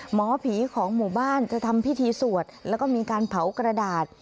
หมอผีของหมู่บ้านจะทำพิธีสวดแล้วก็มีการเผากระดาษ